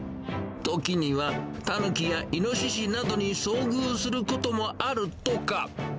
時には、タヌキやイノシシなどに遭遇することもあるとか。